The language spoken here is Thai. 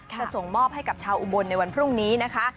จะส่งมอบให้กับชาวอุบลในวันพรุ่งนี้นะคะ